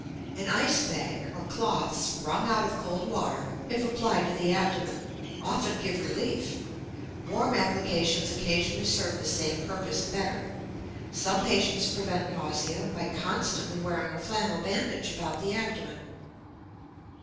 An ice bag or cloths wrung out of cold water, if applied to the abdomen, often give relief; warm applications occasionally serve the same purpose better. Some patients prevent nausea by constantly wearing a flannel bandage about the abdomen.